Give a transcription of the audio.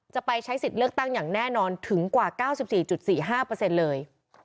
จะไปใช้สิทธิ์เลือกตั้งอย่างแน่นอนถึงกว่า๙๔๔๕เลย